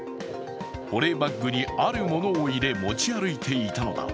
保冷バッグにあるものを入れ、持ち歩いていたのだ。